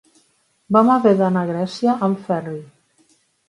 Vam haver d'anar a Grècia en ferri.